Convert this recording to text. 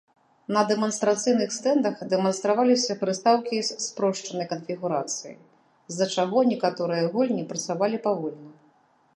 На дэманстрацыйных стэндах дэманстраваліся прыстаўкі з спрошчанай канфігурацыі, з-за чаго некаторыя гульні працавалі павольна.